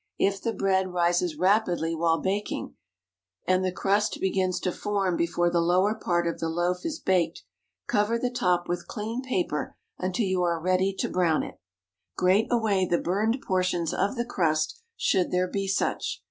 If the bread rises rapidly while baking, and the crust begins to form before the lower part of the loaf is baked, cover the top with clean paper until you are ready to brown it. Grate away the burned portions of the crust, should there be such.